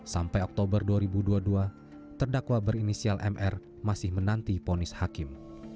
sampai oktober dua ribu dua puluh dua terdakwa berinisial mr masih menanti ponis hakim